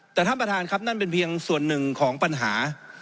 แต่ท่านประธานครับนั่นเป็นเพียงส่วนหนึ่งของปัญหา